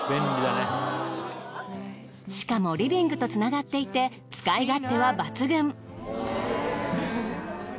しかもリビングとつながっていて使い勝手は抜群。